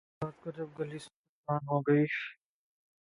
رات کو جب گلی سنسان ہو گئی